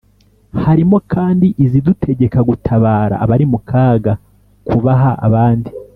harimo kandi izidutegeka gutabara abari mu kaga, kubaha abandi,